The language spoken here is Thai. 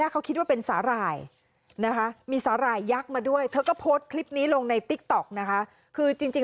เขาคิดว่าเป็นสาหร่ายนะคะมีสาหร่ายยักษ์มาด้วยเธอก็โพสต์คลิปนี้ลงในติ๊กต๊อกนะคะคือจริง